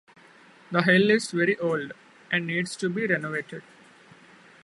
The hill is very old and needs to be renovated.